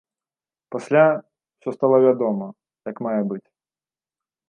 Пасля ўсё стала вядома як мае быць.